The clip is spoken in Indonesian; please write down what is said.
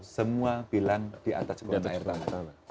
semua bilang di atas gunungan air tanah